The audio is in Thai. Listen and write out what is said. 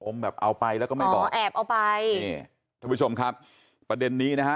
แบบเอาไปแล้วก็ไม่บอกแอบเอาไปนี่ท่านผู้ชมครับประเด็นนี้นะฮะ